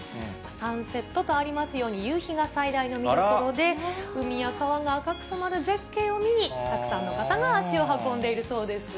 サンセットとありますように、夕日が最大の見どころで、海や川が赤く染まる絶景を見に、たくさんの方が足を運んでいるそうです。